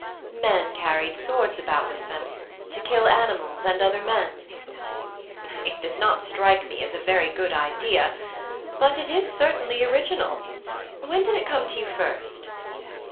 'Men carried swords about with them, to kill animals and other men.' 'It does not strike me as a very good idea, but it is certainly original. When did it come to you first?'